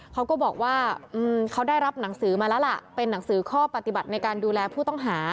เขาก็บอกว่าเขาได้รับหนังสือมาแล้วล่ะเป็นหนังสือข้อปฏิบัติในการดูแลผู้ต้องหา